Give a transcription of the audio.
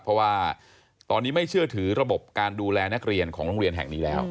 เพราะว่าตอนนี้ไม่เชื่อถือระบบการดูแลนักเรียนของโรงเรียนแห่งนี้แล้ว